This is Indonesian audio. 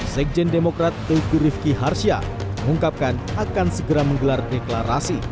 sekjen demokrat teguh rifki harsya mengungkapkan akan segera menggelar deklarasi